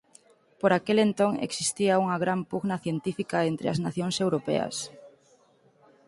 Por aquel entón existía unha gran pugna científica entre as nacións europeas.